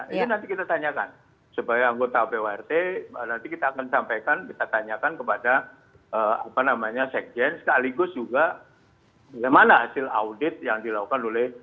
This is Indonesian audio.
itu nanti kita tanyakan sebagai anggota pwrt nanti kita akan sampaikan kita tanyakan kepada sekjen sekaligus juga bagaimana hasil audit yang dilakukan oleh